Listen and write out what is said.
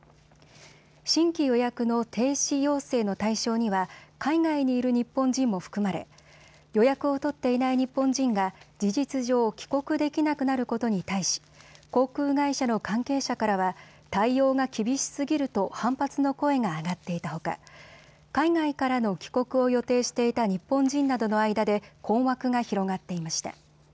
新規予約の停止要請の対象には海外にいる日本人も含まれ予約を取っていない日本人が事実上、帰国できなくなることに対し、航空会社の関係者からは対応が厳しすぎると反発の声が上がっていたほか海外からの帰国を予定していた日本人などの間で困惑が広がっていました。